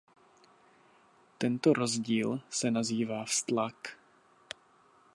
Tento rozdíl se nazývá vztlak.